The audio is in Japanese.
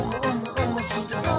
おもしろそう！」